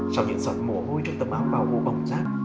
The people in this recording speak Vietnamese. sau những giọt mồ hôi trong tấm áo bao vô bóng giác